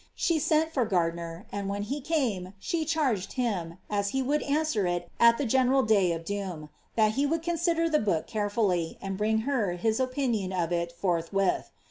She sent for Gardiner, and when he came she charged him, as he would answer it at the general day of doom, that he would consider the book carefully, and bring her his opinion of it forthwith.